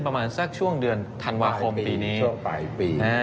ประมาณสักช่วงเดือนธันวาคมปีนี้ช่วงปลายปี